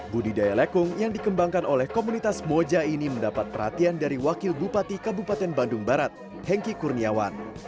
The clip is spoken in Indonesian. budidaya lekung yang dikembangkan oleh komunitas moja ini mendapat perhatian dari wakil bupati kabupaten bandung barat hengki kurniawan